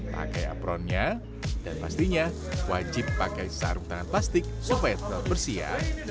pakai apronnya dan pastinya wajib pakai sarung tangan plastik supaya tetap bersih ya